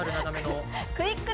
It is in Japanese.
クイックル